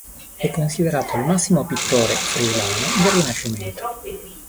È considerato il massimo pittore friulano del Rinascimento.